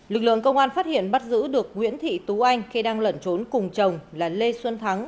lực lượng công an phát hiện bắt giữ được nguyễn thị tú anh khi đang lẩn trốn cùng chồng là lê xuân thắng